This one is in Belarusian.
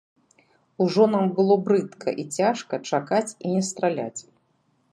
Ужо нам было брыдка і цяжка чакаць і не страляць.